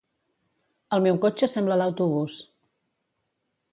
El meu cotxe sembla l'autobús